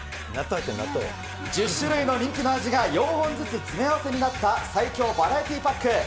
１０種類の人気の味が４本ずつ詰め合わせになった最強バラエティーパック。